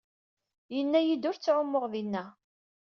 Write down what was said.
Yenna-iyi-d ur ttɛumuɣ dinna.